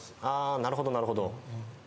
なるほどなるほど。